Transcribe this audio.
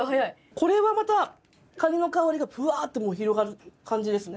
これはまたカニの香りがぶわっと広がる感じですね。